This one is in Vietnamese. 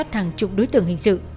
gia soát hàng chục đối tượng hình sự